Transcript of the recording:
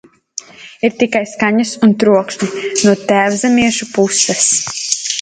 "Ir tikai skaņas un trokšņi no "tēvzemiešu" puses."